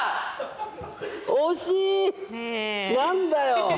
何だよ。